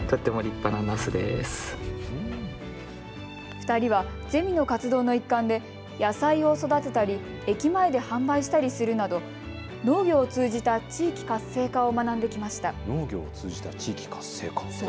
２人はゼミの活動の一環で野菜を育てたり駅前で販売したりするなど農業を通じた地域活性化を学んできました。